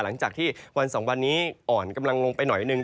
หลังจากที่วันสองวันนี้อ่อนกำลังลงไปหน่อยหนึ่ง